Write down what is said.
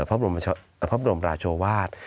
อ่าพระบรมพระ้าโชวาส